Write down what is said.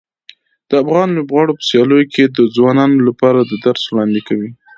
د افغان لوبغاړو په سیالیو کې د ځوانانو لپاره د درس وړاندې کوي.